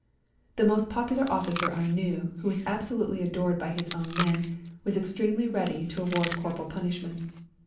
The most popular officer I knew, who was absolutely adored by his own men, was extremely ready to award corporal punishment.